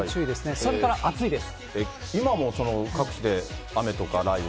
それから暑いです。